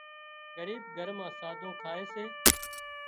ڳريٻ گھر مان ساڌُون کائي سي